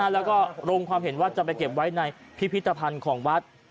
แล้วก็ลงความเห็นว่าจะไปเก็บไว้ในพิพิธภัณฑ์ของวัด